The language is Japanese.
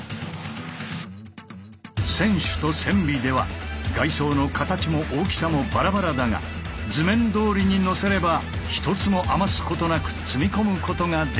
船首と船尾では外装の形も大きさもバラバラだが図面どおりに載せれば一つも余すことなく積み込むことができる。